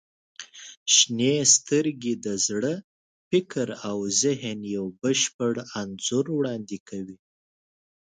• شنې سترګې د زړه، فکر او ذهن یو بشپړ انځور وړاندې کوي.